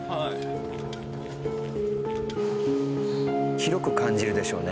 広く感じるでしょうね。